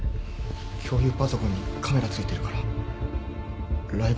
共有パソコンにカメラ付いてるからライブチャットしてて。